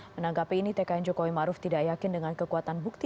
menanggapi ini tkn jokowi maruf tidak yakin dengan kekuatan bukti